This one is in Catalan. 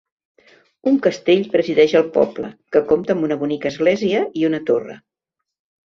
Un castell presideix el poble, que compta amb una bonica església i una torre.